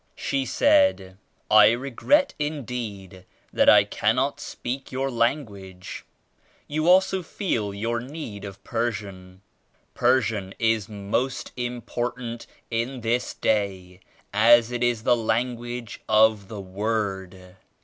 She said "I regret indeed that I cannot speak your language. You also feel your need of Persian. Persian is most important in this Day as it is the language of the Word.